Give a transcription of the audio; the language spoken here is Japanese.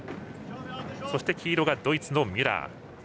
そして、黄色がドイツのミュラー。